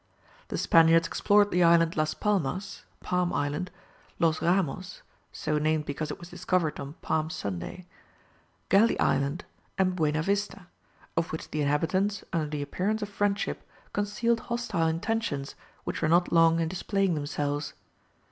The Spaniards explored the Island las Palmas (Palm Island), los Ramos so named because it was discovered on Palm Sunday Galley Island, and Buena Vista, of which the inhabitants, under the appearance of friendship concealed hostile intentions, which were not long in displaying themselves.